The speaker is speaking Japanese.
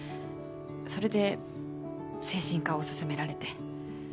それで精神科を勧められて。